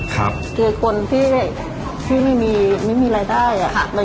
คือคนที่ไม่มีรายได้